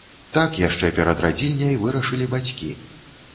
Так яшчэ перад радзільняй вырашылі бацькі.